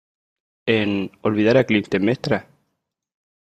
En "¿Olvidar a Clitemnestra?